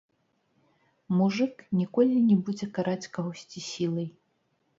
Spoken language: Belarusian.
Мужык, ніколі не будзе караць кагосьці сілай.